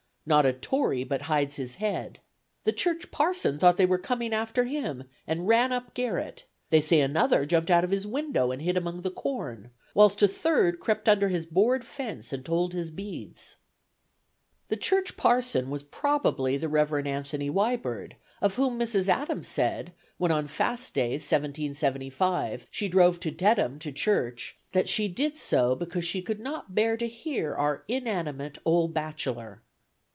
Not a Tory but hides his head. The church parson thought they were coming after him, and ran up garret; they say another jumped out of his window and hid among the corn, whilst a third crept under his board fence and told his beads." "The church parson" was probably the Rev. Anthony Wibird, of whom Mrs. Adams said, when on Fast Day, 1775, she drove to Dedham to church, that she did so because she "could not bear to hear our inanimate old bachelor."